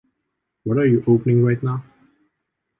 What are you opening right now?